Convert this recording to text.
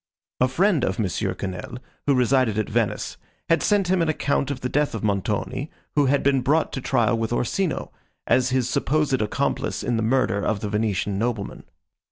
A friend of Monsieur Quesnel, who resided at Venice, had sent him an account of the death of Montoni who had been brought to trial with Orsino, as his supposed accomplice in the murder of the Venetian nobleman.